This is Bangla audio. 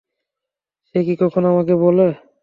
সে কী কখনো আমাকে বলে!